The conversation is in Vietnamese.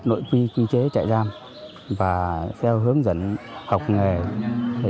nội quy quy chế trại giam và theo hướng dẫn học nghề